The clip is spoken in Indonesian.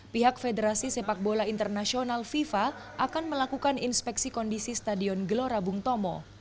pihak federasi sepak bola internasional fifa akan melakukan inspeksi kondisi stadion gelora bung tomo